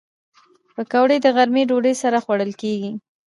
پکورې د غرمې ډوډۍ سره خوړل کېږي